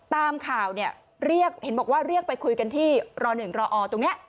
ตามข่าวเนี่ยเรียกเห็นบอกว่าเรียกไปคุยกันที่ร๑รอตรงนี้